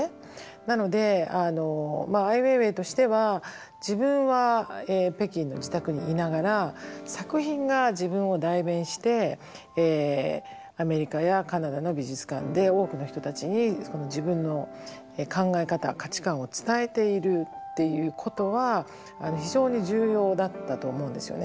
なのでアイ・ウェイウェイとしては自分は北京の自宅にいながら作品が自分を代弁してアメリカやカナダの美術館で多くの人たちに自分の考え方価値観を伝えているっていうことは非常に重要だったと思うんですよね。